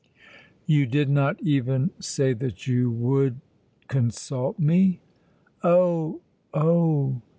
"You did not even say that you would consult me?" "Oh, oh!"